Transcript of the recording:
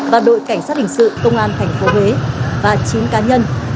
và đội cảnh sát hình sự công an thành phố huế và chín cá nhân